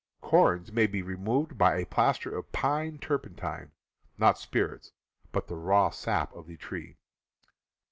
Corns may be removed by a plaster of pine turpentine (not spirits, but the raw sap of the tree).